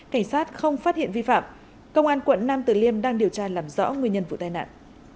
cảnh sát không phát hiện vi phạm công an quận nam tử liêm đang điều tra làm rõ nguyên nhân vụ tai nạn